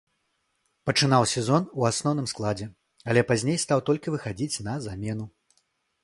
Пачынаў сезон у асноўным складзе, але пазней стаў толькі выхадзіць на замену.